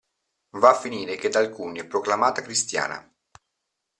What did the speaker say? Va a finire che da alcuni è proclamata cristiana.